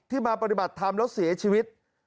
มาปฏิบัติธรรมแล้วเสียชีวิต